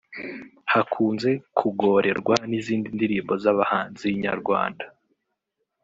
hakunze kugorerwa n’izindi ndirimbo z’abahanzi Nyarwanda